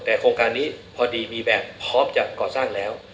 ที่พอดีมีแบบพร้อมจากก่อสร้างแล้ว